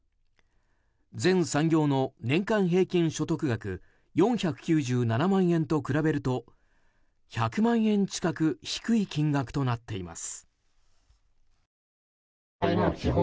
全産業の年間平均所得額４９７万円と比べると１００万円近く低い金額となっています。